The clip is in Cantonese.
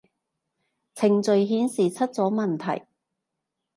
程序顯示出咗問題